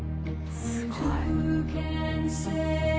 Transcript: すごい。